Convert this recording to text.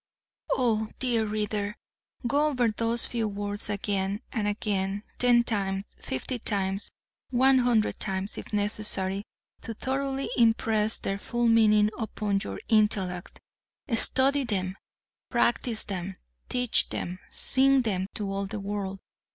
Oh, dear reader, go over those few words again, and again; ten times; fifty times; one hundred times if necessary to thoroughly impress their full meaning upon your intellect. Study them; practice them; teach them; sing them to all the world.